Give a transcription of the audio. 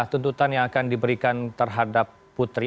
tuntutan yang akan diberikan terhadap putri